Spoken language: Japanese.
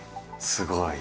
すごい！